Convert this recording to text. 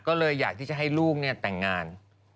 ก็เลยอยากที่จะให้ลูกแต่งงาน